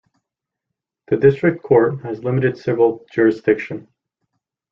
The District Court has limited civil jurisdiction.